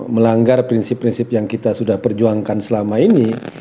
melanggar prinsip prinsip yang kita sudah perjuangkan selama ini